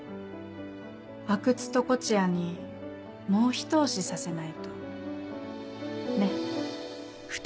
阿久津と東風谷にもうひと押しさせないと。ね。